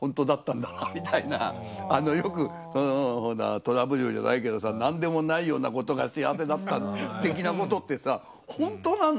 あのよくほら虎舞竜じゃないけどさ何でもないようなことが幸せだった的なことってさ本当なんだよね。